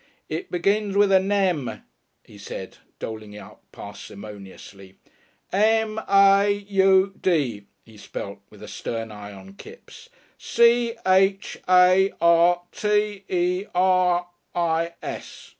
"It begins with a Nem," he said, doling them out parsimoniously. "M A U D," he spelt, with a stern eye on Kipps, "C H A R T E R I S."